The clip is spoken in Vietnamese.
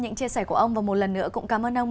những chia sẻ của ông và một lần nữa cũng cảm ơn ông